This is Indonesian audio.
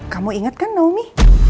kamu inget kan naomi